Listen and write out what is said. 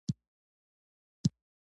په قلم پوهه دوام مومي.